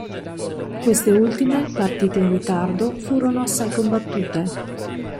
Queste ultime, partite in ritardo, furono assai combattute.